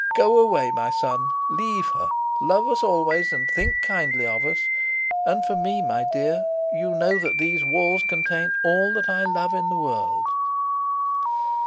Go away, my son: leave her: love us always, and think kindly of us: and for me, my dear, you know that these walls contain all that I love in the world."